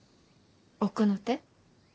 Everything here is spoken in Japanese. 奥の手？